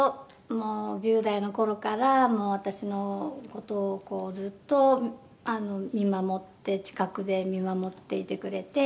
「もう１０代の頃から私の事をこうずっと見守って近くで見守っていてくれて」